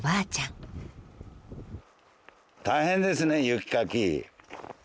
大変ですね雪かき。